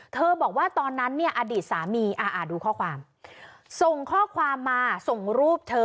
บอกว่าตอนนั้นเนี่ยอดีตสามีดูข้อความส่งข้อความมาส่งรูปเธอ